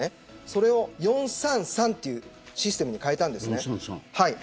それを４−３−３というシステムに変えたんです。